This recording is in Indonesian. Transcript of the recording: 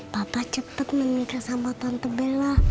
papa cepet menikah sama tante bella